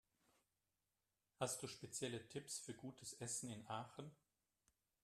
Hast du spezielle Tipps für gutes Essen in Aachen?